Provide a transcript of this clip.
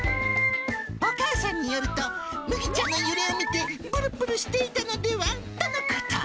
お母さんによると、麦茶の揺れを見て、ぶるぶるしていたのではとのこと。